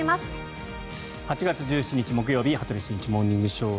８月１７日、木曜日「羽鳥慎一モーニングショー」。